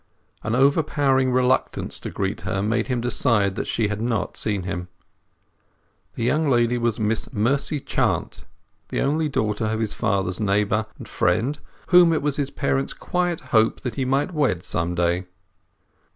An overpowering reluctance to greet her made him decide that she had not seen him. The young lady was Miss Mercy Chant, the only daughter of his father's neighbour and friend, whom it was his parents' quiet hope that he might wed some day.